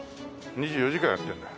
２４時間やってるんだよ。